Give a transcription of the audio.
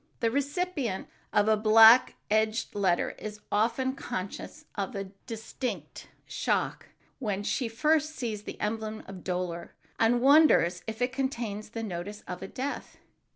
The recipient of a black edged letter is often conscious of a distinct shock when she first sees the emblem of dolor, and wonders if it contains the notice of a death.